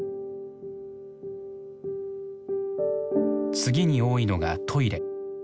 次に多いのがトイレ。